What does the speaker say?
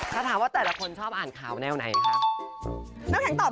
ถ้าถามว่าแต่ละคนชอบอ่านข่าวแนวไหนคะ